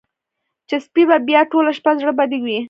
چې سپۍ به بیا ټوله شپه زړه بدې وي.